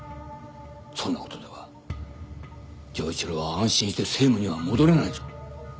そんなことでは城一郎は安心して政務には戻れないぞ。